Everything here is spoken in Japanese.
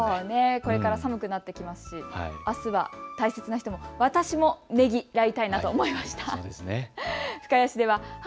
これから寒くなってきますし、あすは大切な人に私もねぎらいたいなと思いました。